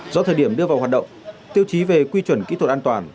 do thời điểm đưa vào hoạt động tiêu chí về quy chuẩn kỹ thuật an toàn